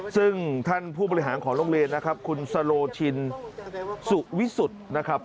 ซึ่งท่านผู้บริหารของโรงเรียนนะครับคุณสโลชินสุวิสุทธิ์นะครับ